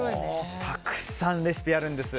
たくさんレシピがあるんです。